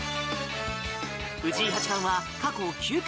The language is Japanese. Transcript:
藤井八冠は過去９回